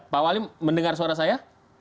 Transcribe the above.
pak wali mendengar suara saya